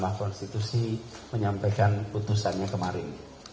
mahkamah konstitusi menyampaikan putusannya kemarin